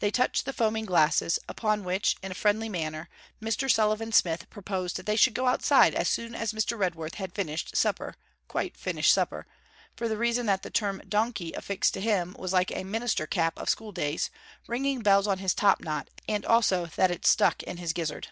They touched the foaming glasses: upon which, in a friendly manner, Mr. Sullivan Smith proposed that they should go outside as soon as Mr. Redworth had finished supper quite finished supper: for the reason that the term 'donkey' affixed to him was like a minster cap of schooldays, ringing bells on his topknot, and also that it stuck in his gizzard.